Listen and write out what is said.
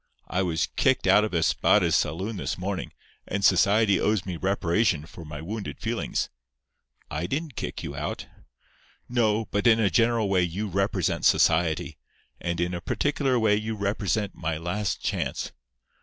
I was kicked out of Espada's saloon this morning; and Society owes me reparation for my wounded feelings." "I didn't kick you out." "No; but in a general way you represent Society; and in a particular way you represent my last chance.